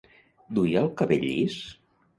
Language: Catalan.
Duia el cabell llis?